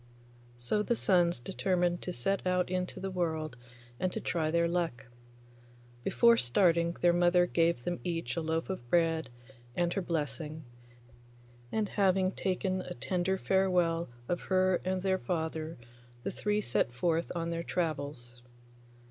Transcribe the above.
So the sons determined to set out into the world and to try their luck. Before starting their mother gave them each a loaf of bread and her blessing, and having taken a tender farewell of her and their father the three set forth on their travels.